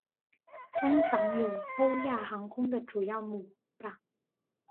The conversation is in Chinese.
香港有欧亚航空的主要母港。